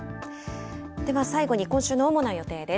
では最後に、今週の主な予定です。